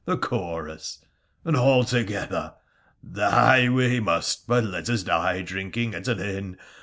— the chorus — and all together !'— Die we must, but let us die drinking at an inn.